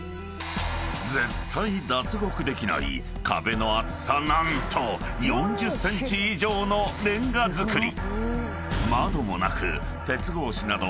［絶対脱獄できない壁の厚さ何と４０ｃｍ以上のれんが造り］